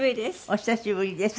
お久しぶりです。